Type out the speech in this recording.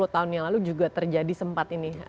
sepuluh tahun yang lalu juga terjadi sempat ini